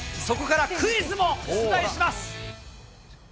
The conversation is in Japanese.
そこからクイズも出題します。